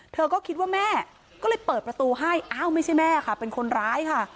เธอก็คิดว่าแม่ก็เลยเปิดประตูให้อ้าวไม่ใช่แม่ค่ะเป็นคนร้ายค่ะ